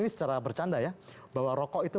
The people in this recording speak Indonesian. ini secara bercanda ya bahwa rokok itu